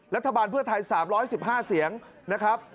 รัฐบาลเพื่อไทย๓๑๕เสียงนะครับ